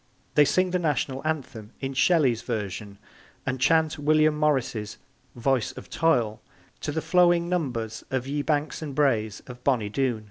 They sing the National Anthem in Shelley's version and chant William Morris's Voice of Toil to the flowing numbers of Ye Banks and Braes of Bonny Doon.